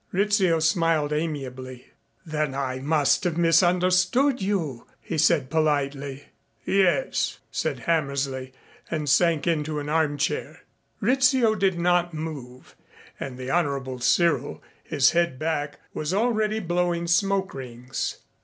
Rizzio smiled amiably. "Then I must have misunderstood you," he said politely. "Yes," said Hammersley and sank into an armchair. Rizzio did not move and the Honorable Cyril, his head back, was already blowing smoke rings.